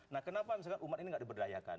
nah kenapa misalkan umat ini nggak diberdayakan